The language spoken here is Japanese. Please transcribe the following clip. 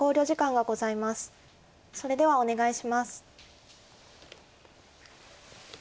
それではお願いします。